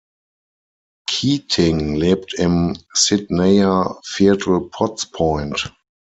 Keating lebt im Sydneyer Viertel Potts Point.